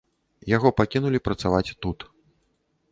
Яго пакінулі працаваць тут.